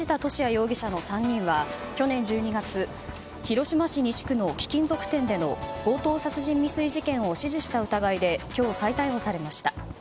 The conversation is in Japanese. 容疑者の３人は去年１２月広島市西区の貴金属店での強盗殺人未遂事件を指示した疑いで今日、再逮捕されました。